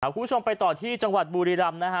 คุณผู้ชมไปต่อที่จังหวัดบุรีรำนะฮะ